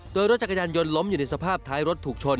โดยรถจักรยานยนต์ล้มอยู่ในสภาพท้ายรถถูกชน